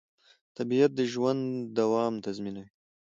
طبیعت د ژوند دوام تضمینوي